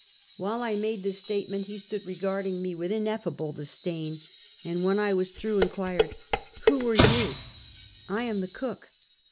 "While I made this statement he stood regarding me with ineffable disdain, and when I was through in quired : "Who are you?" "I am the cook!"